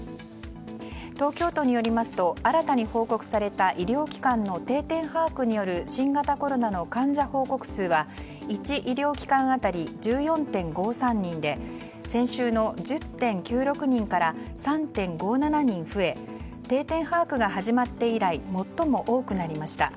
東京都によりますと新たに報告された医療機関の定点把握による新型コロナの患者報告数は１医療機関当たり１４．５３人で先週の１０．９６人から３．５７人増え定点把握が始まって以来最も多くなりました。